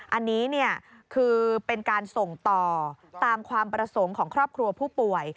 อันนี้คือเป็นการส่งต่อตามความประสงค์ของครอบครัวผู้ป่วย